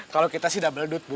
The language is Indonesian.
kalo kita sih double date bu